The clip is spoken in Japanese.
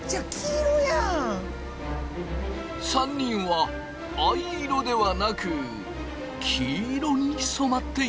３人は藍色ではなく黄色に染まっていた！